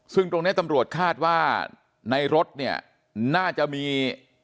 ซึ่งตรงนี้ตำรวจคาดว่าในรถเนี่ยน่าจะมี